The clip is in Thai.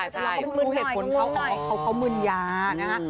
ใช่เขาก็รู้เหตุผลเขาเขามึนยานะฮะ